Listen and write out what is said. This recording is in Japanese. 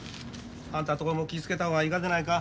あんたのとこも気ぃ付けた方がいいがでないか。